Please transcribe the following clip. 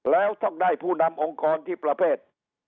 แล้วต้องได้ผู้นำองค์กรที่ประเภท